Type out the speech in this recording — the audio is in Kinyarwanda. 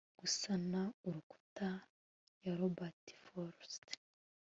gusana urukuta ya robert frost